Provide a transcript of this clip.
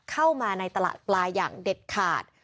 เข้ามาในตลาดปลาอย่างเด็ดขาด